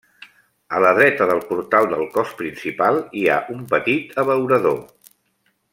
A la dreta del portal del cos principal hi ha un petit abeurador.